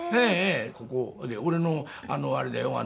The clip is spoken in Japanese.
「ここ俺のあれだよ。